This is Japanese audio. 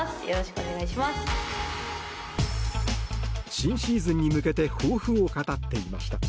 新シーズンに向けて抱負を語っていました。